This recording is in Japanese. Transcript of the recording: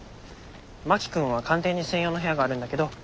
真木君は官邸に専用の部屋があるんだけど